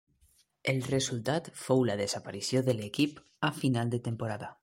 El resultat fou la desaparició de l'equip a final de temporada.